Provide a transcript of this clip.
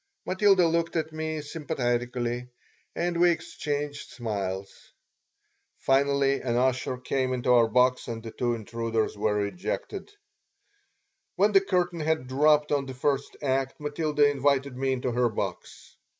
Matilda looked at me sympathetically and we exchanged smiles. Finally an usher came into our box and the two intruders were ejected When the curtain had dropped on the first act Matilda invited me into her box.